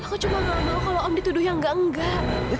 aku cuma gak mau kalau om dituduh yang enggak enggak